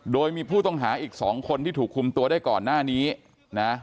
โดยมีผู้ต้องหาอีกสองคนที่ถูกคุมตัวได้ก่อนหน้านี้นะ